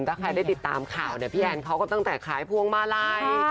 ถ้าใครได้ติดตามข่าวเนี่ยพี่แอนเขาก็ตั้งแต่ขายพวงมาลัย